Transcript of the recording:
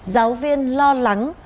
giáo viên lo lắng